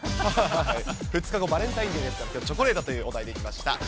２日後、バレンタインデーですから、チョコレートというお題でいきました。